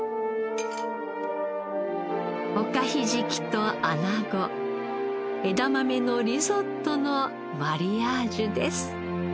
おかひじきとあなご枝豆のリゾットのマリアージュです。